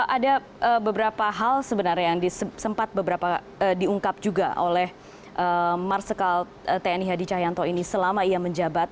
ada beberapa hal sebenarnya yang sempat beberapa diungkap juga oleh marsikal tni hadi cahyanto ini selama ia menjabat